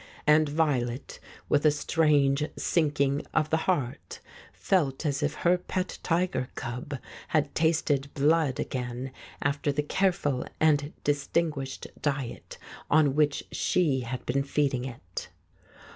... And Violet, with a strange sinking of the heart, felt as if her pet tiger cub had tasted blood again after the careful and distinguished diet on which she had been feeding it.